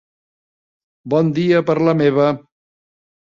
Bon dia per la meva.